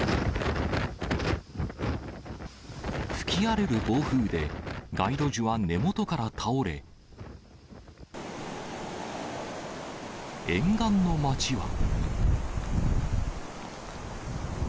吹き荒れる暴風で、街路樹は根元から倒れ、沿岸の町は。